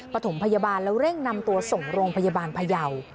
ปฐมพยาบาลแล้วเร่งนำตัวส่งโรงพยาบาลพยาว